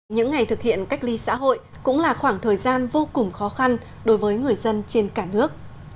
những ngày thực hiện cách ly xã hội cũng là khoảng thời gian vô cùng khó khăn đối với người dân trên cả nước